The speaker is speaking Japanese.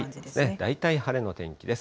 大体晴れの天気です。